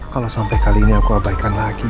kalau sampai kali ini aku abaikan lagi